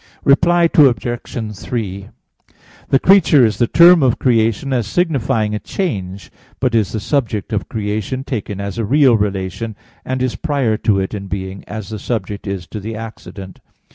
Reply Obj. 3: The creature is the term of creation as signifying a change, but is the subject of creation, taken as a real relation, and is prior to it in being, as the subject is to the accident.